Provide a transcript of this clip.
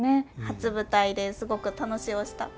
初舞台ですごく楽しおした。